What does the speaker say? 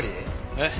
えっ？